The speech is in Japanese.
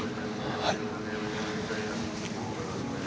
はい。